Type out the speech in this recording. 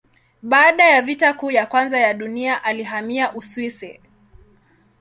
Baada ya Vita Kuu ya Kwanza ya Dunia alihamia Uswisi.